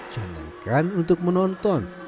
jangan kan untuk menonton